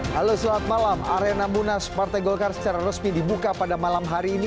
halo selamat malam arena munas partai golkar secara resmi dibuka pada malam hari ini